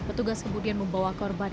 petugas kemudian membawa korban